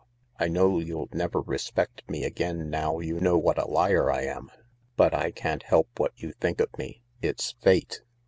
I know you'll never respect me again now you know what a liar I am, but I can't help what you think of me. It's Fate."